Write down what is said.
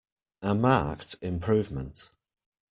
A marked improvement.